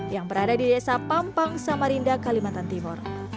yang berada di desa pampang samarinda kalimantan timur